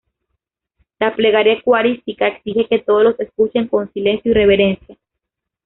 La Plegaria eucarística exige que todos la escuchen con silencio y reverencia.